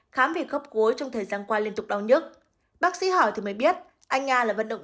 khám về gốc gối trong thời gian qua liên tục đau nhức bác sĩ hỏi thì mới biết anh a là vận động